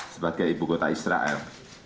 sebagai ibu kota israel